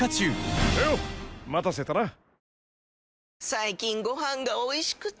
最近ご飯がおいしくて！